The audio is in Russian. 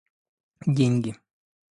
деньги